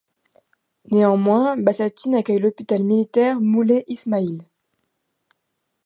Néanmoins, Bassatine accueille l'hôpital militaire Moulay Ismaïl.